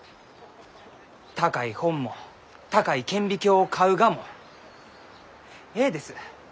高い本も高い顕微鏡を買うがもえいです。